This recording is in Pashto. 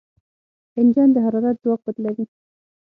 انجن د حرارت ځواک بدلوي.